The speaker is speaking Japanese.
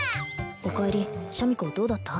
おかえりシャミ子どうだった？